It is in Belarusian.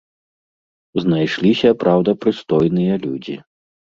Знайшліся, праўда, прыстойныя людзі.